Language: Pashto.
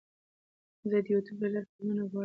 زه د یوټیوب له لارې فلمونه ګورم.